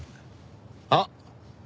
あっ！